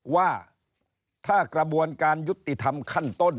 ว่าถ้ากระบวนการยุติธรรมขั้นต้น